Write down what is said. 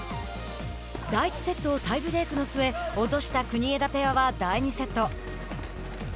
第１セットをタイブレークの末落とした国枝ペアは第２セット。